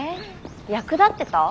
役立ってた？